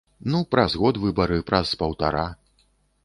Ну, праз год выбары, праз паўтара.